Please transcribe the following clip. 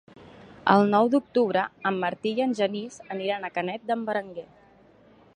El nou d'octubre en Martí i en Genís aniran a Canet d'en Berenguer.